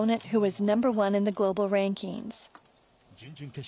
準々決勝。